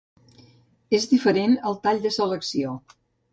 És diferent al tall de selecció.